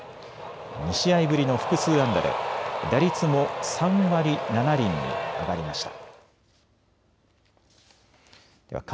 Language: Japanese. ２試合ぶりの複数安打で打率も３割７厘に上がりました。